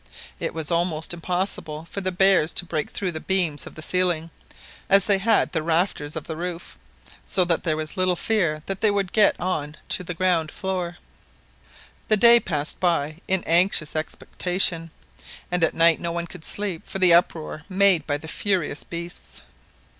It was almost impossible for the bears to break through the beams of the ceiling, as they had the rafters of the roof, so that there was little fear that they would get on to the ground floor. The day passed by in anxious expectation, and at night no one could sleep for the uproar made by the furious beasts.